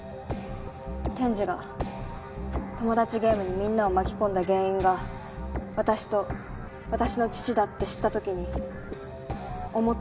天智がトモダチゲームにみんなを巻き込んだ原因が私と私の父だって知った時に思ったの。